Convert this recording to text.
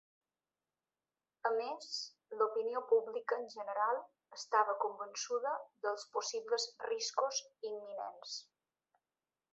A més, l'opinió pública en general estava convençuda dels possibles riscos imminents.